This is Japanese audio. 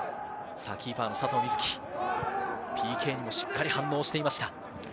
キーパーの佐藤瑞起、ＰＫにもしっかり反応していました。